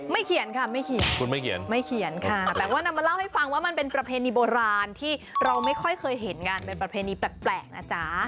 เขียนค่ะไม่เขียนคุณไม่เขียนไม่เขียนค่ะแต่ว่านำมาเล่าให้ฟังว่ามันเป็นประเพณีโบราณที่เราไม่ค่อยเคยเห็นงานเป็นประเพณีแปลกนะจ๊ะ